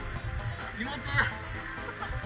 気持ちいい！